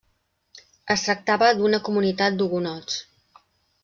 Es tractava d'una comunitat d'hugonots.